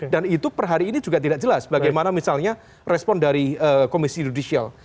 dan itu per hari ini juga tidak jelas bagaimana misalnya respon dari komisi judisial